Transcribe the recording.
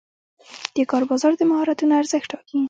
د کار بازار د مهارتونو ارزښت ټاکي.